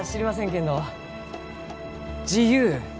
けんど「自由」